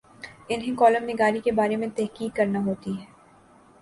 انہیں کالم نگاری کے بارے میں تحقیق کرنا ہوتی ہے۔